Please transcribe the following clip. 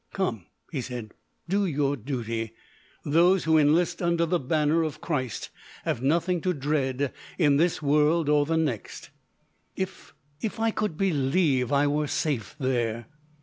"Come," he said, "do your duty. Those who enlist under the banner of Christ have nothing to dread in this world or the next." "If—if I could believe I were safe there."